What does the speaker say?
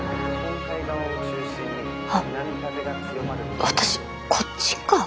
あっ私こっちか。